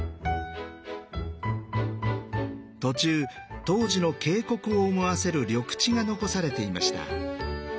途中当時の渓谷を思わせる緑地が残されていました。